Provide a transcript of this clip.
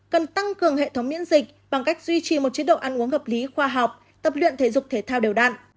cần tăng cường hệ thống miễn dịch bằng cách duy trì một chế độ ăn uống hợp lý khoa học tập luyện thể dục thể thao đều đạn